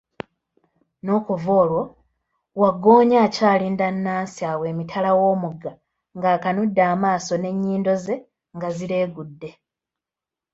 N'okuva olwo, wagggoonya akyalinda Anansi awo emitala w'omugga ng'akanudde amaaso n'ennyindo ze ng'azireegudde.